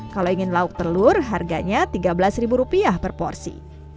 kalau ingin lauk telur harganya tiga belas ribu rupiah per porsi